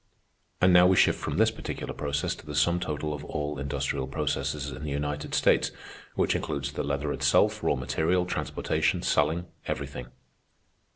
"And now we shift from this particular process to the sum total of all industrial processes in the United States, which includes the leather itself, raw material, transportation, selling, everything.